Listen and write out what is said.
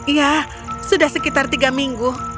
ya sudah sekitar tiga minggu